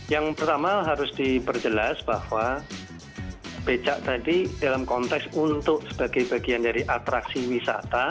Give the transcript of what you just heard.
yang pertama harus diperjelas bahwa becak tadi dalam konteks untuk sebagai bagian dari atraksi wisata